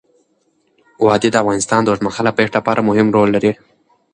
وادي د افغانستان د اوږدمهاله پایښت لپاره مهم رول لري.